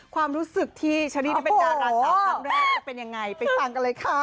ความรู้สึกที่ฉลิตได้เป็นดาราสาวทำแรกเป็นยังไงไปฟังกันเลยค่ะ